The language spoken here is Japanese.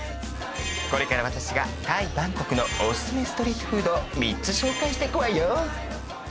これから私がタイ・バンコクのおすすめストリートフードを３つ紹介してくわよ